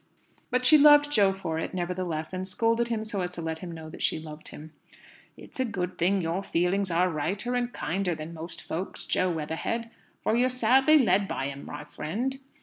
But she loved Jo for it, nevertheless, and scolded him so as to let him know that she loved him. "It's a good thing your feelings are righter and kinder than most folks', Jo Weatherhead, for you're sadly led by 'em, my friend.